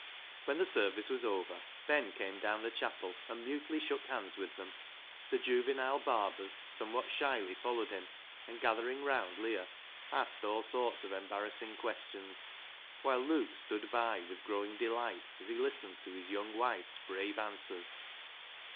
When the service was over, Ben came down the chapel and mutely shook hands with them ; the juvenile Barbers somewhat shyly followed him, and gathering round Leah, asked all sorts of embarrassing questions, while Luke stood by with growing delight as he listened to his young wife's brave answers.